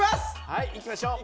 はいいきましょう。